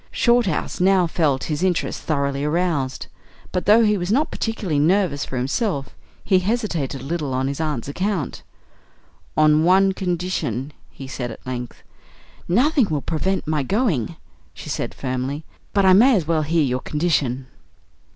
Shorthouse now felt his interest thoroughly aroused; but, though he was not particularly nervous for himself, he hesitated a little on his aunt's account. "On one condition," he said at length. "Nothing will prevent my going," she said firmly; "but I may as well hear your condition."